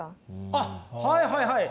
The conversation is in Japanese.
あっはいはいはい！